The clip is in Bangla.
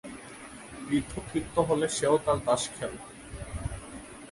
বৃদ্ধ তৃপ্ত হলে সে ও তার দাস খেল।